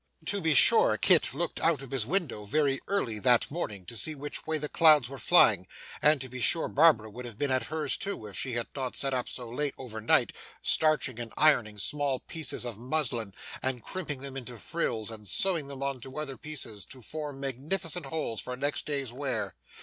To be sure Kit looked out of his window very early that morning to see which way the clouds were flying, and to be sure Barbara would have been at hers too, if she had not sat up so late over night, starching and ironing small pieces of muslin, and crimping them into frills, and sewing them on to other pieces to form magnificent wholes for next day's wear.